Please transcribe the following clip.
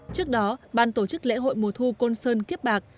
trước đó ban tổ chức lễ hội mùa thu côn sơn kiếp bạc